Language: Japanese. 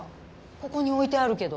ここに置いてあるけど。